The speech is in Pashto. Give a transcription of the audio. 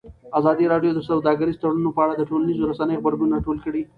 ازادي راډیو د سوداګریز تړونونه په اړه د ټولنیزو رسنیو غبرګونونه راټول کړي.